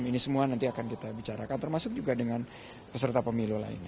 ini semua nanti akan kita bicarakan termasuk juga dengan peserta pemilu lainnya